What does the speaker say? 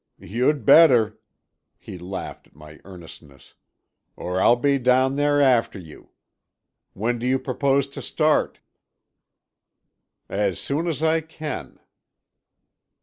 "You'd better." He laughed at my earnestness. "Or I'll be down there after you. When do you propose to start?" "As soon as I can."